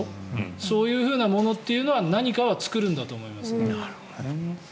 そういうふうなものは何かを作るんだと思います。